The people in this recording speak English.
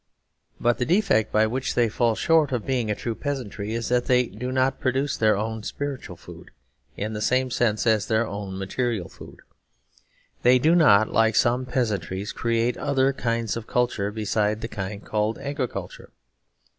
But the defect by which they fall short of being a true peasantry is that they do not produce their own spiritual food, in the same sense as their own material food. They do not, like some peasantries, create other kinds of culture besides the kind called agriculture.